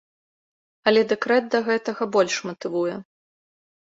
Але дэкрэт да гэтага, больш матывуе.